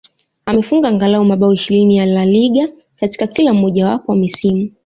Amefunga angalau mabao ishirini ya La Liga katika kila mmojawapo wa misimu